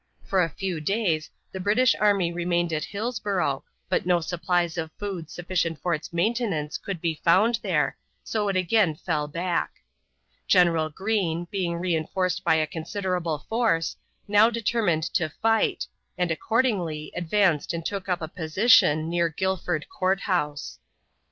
For a few days the British army remained at Hillsborough, but no supplies of food sufficient for its maintenance could be found there, so it again fell back. General Greene, being re enforced by a considerable force, now determined to fight, and accordingly advanced and took up a position near Guilford Court House.